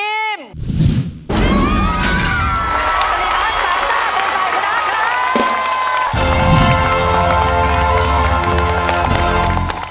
สวัสดีครับสามซ่าตัวต่อชนะครับ